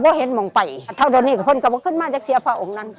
ว่าเห็นมองไปอ่าเท่าเดี๋ยวนี้ก็เพิ่งก็บอกขึ้นมาจากเทียงพระองค์นั้น